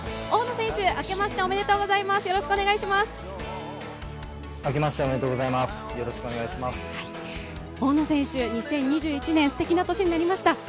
大野選手、２０２１年、すてきな年になりました。